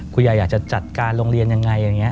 คุณยายอยากจะจัดการโรงเรียนยังไงอย่างนี้